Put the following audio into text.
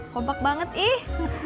kompak banget ih